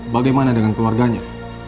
bagaimana dengan keluarganya